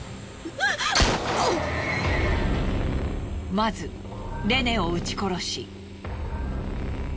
まずレネを撃ち殺し。